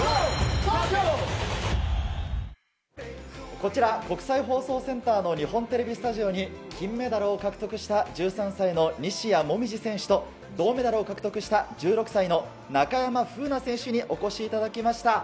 こちら国際放送センターの日本テレビスタジオに、金メダルを獲得した１３歳の西矢椛選手と、銅メダルを獲得した１６歳の中山楓奈選手にお越しいただきました。